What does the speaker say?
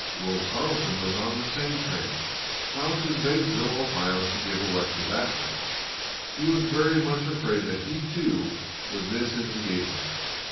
Will Carleton was on the same train, bound for Zanesville, Ohio, to give a lecture that night. He was very much afraid that he, too, would miss his engagement.